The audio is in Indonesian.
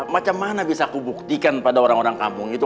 macam mana bisa aku buktikan pada orang orang kampung itu